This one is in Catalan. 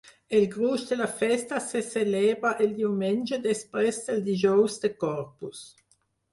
El gruix de la festa se celebra el diumenge després del dijous de Corpus.